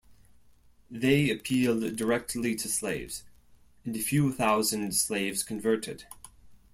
They appealed directly to slaves, and a few thousand slaves converted.